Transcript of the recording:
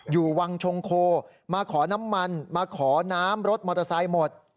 อยู่วังชงโคมาขอน้ำมันมาขอน้ำรถมอเตอร์ไซค์หมด